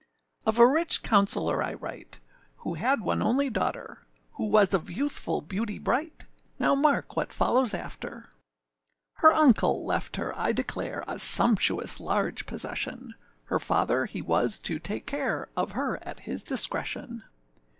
] OF a rich counsellor I write, Who had one only daughter, Who was of youthful beauty bright; Now mark what follows after. Her uncle left her, I declare, A sumptuous large possession; Her father he was to take care Of her at his discretion.